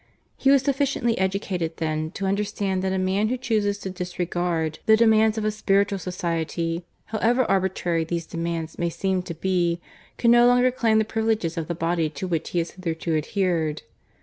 He was sufficiently educated then to understand that a man who chooses to disregard the demands of a spiritual society, however arbitrary these demands may seem to be, can no longer claim the privileges of the body to which he has hitherto adhered.